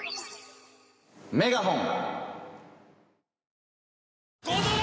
メガホン！